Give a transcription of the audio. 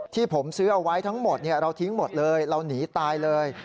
ที่ผมซื้อเอาไว้ทั้งหมดเราทิ้งหมดเลยเราหนีตายเลย